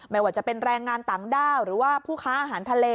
ไม่ว่าจะเป็นแรงงานต่างด้าวหรือว่าผู้ค้าอาหารทะเล